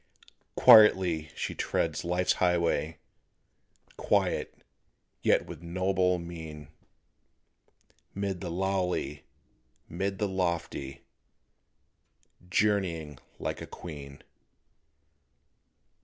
Quietly she treads life's highway; Quiet, yet with noble mien; 'Mid the lowly, 'mid the lofty Journeying like a queen.